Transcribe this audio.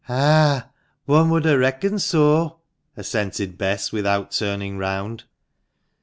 15 " Ah ! one would ha* reckoned so," assented Bess, without turning round.